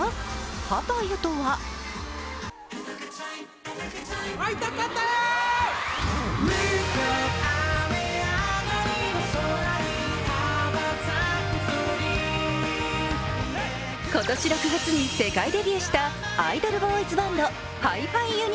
ハパユとは今年６月に世界デビューしたアイドルボーイズバンド、Ｈｉ−ＦｉＵｎ！